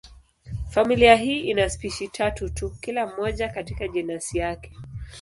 Familia hii ina spishi tatu tu, kila moja katika jenasi yake.